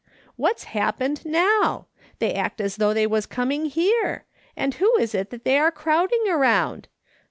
What's happened now ? They act as though they was coming here ; and who is that they are crowding around.